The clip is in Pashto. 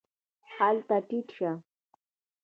هله ټیټ شه !